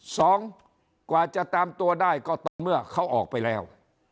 กว่าจะตามตัวได้ก็ตอนเมื่อเขาออกไปแล้ว